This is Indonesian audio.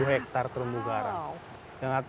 delapan ribu hektare terumbu garang